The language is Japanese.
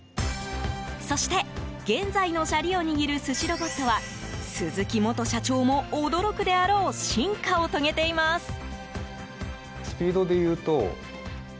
そして、現在のシャリを握る寿司ロボットは鈴木元社長も驚くであろう進化を遂げています。